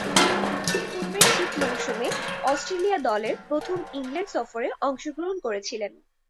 পূর্বের শীত মৌসুমে অস্ট্রেলিয়া দলের প্রথম ইংল্যান্ড সফরে অংশগ্রহণ করেছিলেন।